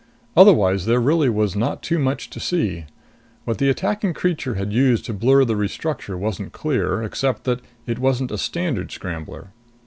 Otherwise there really was not too much to see. What the attacking creature had used to blur the restructure wasn't clear, except that it wasn't a standard scrambler.